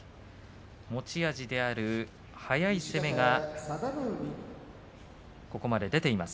持ち味である速い攻めがここまで出ています。